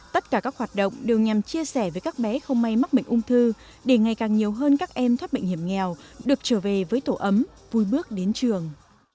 tất cả các hoạt động đều nhằm chia sẻ với các bé không may mắc bệnh ung thư để ngày càng nhiều hơn các em thoát bệnh hiểm nghèo được trở về với tổ ấm vui bước đến trường